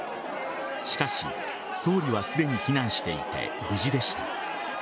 しかし、総理はすでに避難していて無事でした。